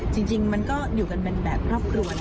จริงมันก็อยู่กันเป็นแบบครอบครัวนะ